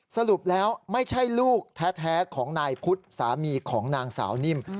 สรุปแล้วไม่ใช่ลูกแท้ของนายพุทธสามีของนางสาวนิ่ม